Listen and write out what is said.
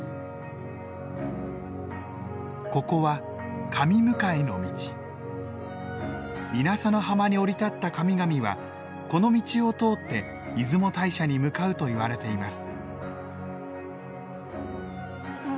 ここは稲佐の浜に降り立った神々はこの道を通って出雲大社に向かうといわれています。